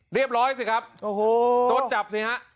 เรียบร้อยสิครับโต๊ดจับสิครับ